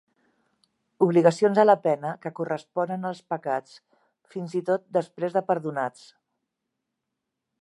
Obligacions a la pena que corresponen als pecats fins i tot després de perdonats.